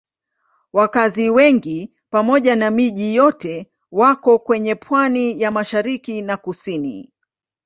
Wakazi wengi pamoja na miji yote wako kwenye pwani ya mashariki na kusini.